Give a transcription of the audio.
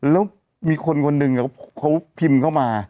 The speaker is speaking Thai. แล้วมีคนคนหนึ่งเขาพิมพ์เข้ามา